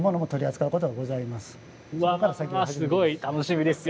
すごい楽しみですよ。